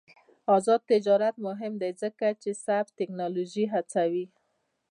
آزاد تجارت مهم دی ځکه چې سبز تکنالوژي هڅوي.